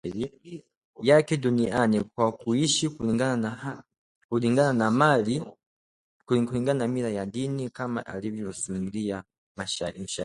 Yake duniani kwa kuishi kulingana na mila ya dini kama alivyosimulia mshairi